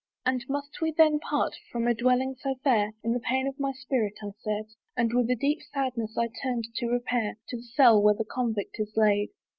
"And must we then part from a dwelling so fair?" In the pain of my spirit I said, And with a deep sadness I turned, to repair To the cell where the convict is laid.